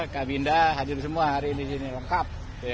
kabinda hadir semua hari ini lengkap